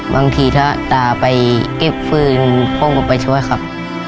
บางทีถ้าตาไปเก็บฟืนพ่อก็ไปช่วยครับ